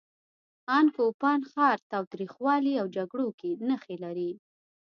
ان کوپان ښار تاوتریخوالي او جګړو کمې نښې لري.